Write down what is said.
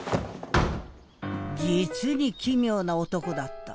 実に奇妙な男だった。